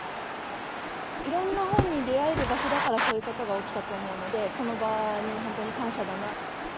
いろんな本に出会える場所だから、そういうことが起きたと思うので、この場に本当に感謝だな。